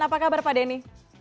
apa kabar pak denny